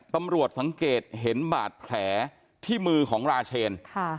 ตำรวจสังเกตเห็นบาดแผลที่มือของราเชน